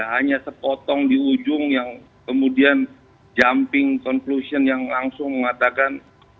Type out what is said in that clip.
hanya sepotong di ujung yang kemudian jumping conclusion yang langsung mengatakan